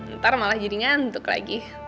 ntar malah jadi ngantuk lagi